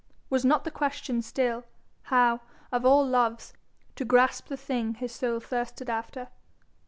Was not the question still, how, of all loves, to grasp the thing his soul thirsted after?